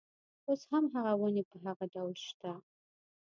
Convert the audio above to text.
اوس هم هغه ونې پر هغه ډول شته.